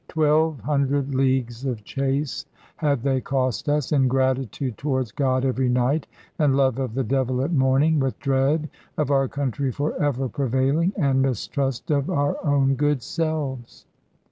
Twelve hundred leagues of chase had they cost us, ingratitude towards God every night, and love of the devil at morning, with dread of our country for ever prevailing, and mistrust of our own good selves.